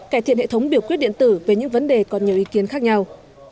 cải thiện hệ thống biểu quyết điện tử về những vấn đề còn nhiều ý kiến khác nhau